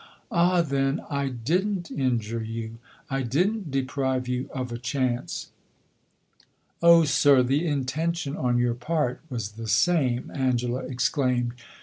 "Ah! then, I did n't injure you I did n't deprive you of a chance?" "Oh, sir, the intention on your part was the same!" Angela exclaimed.